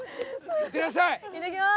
いってきます。